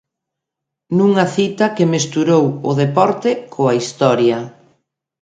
Nunha cita que mesturou o deporte coa historia.